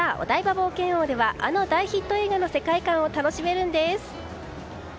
冒険王ではあの大ヒット映画の世界観を楽しめるんです。